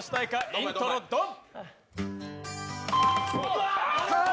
イントロ・ドン。